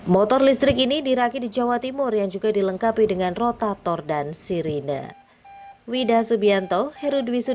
motor listrik ini diraki di jawa timur yang juga dilengkapi dengan rotator dan sirine